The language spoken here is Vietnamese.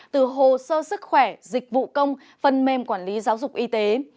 từ hồ sơ sức khỏe dịch vụ công phần mềm quản lý giáo dục y tế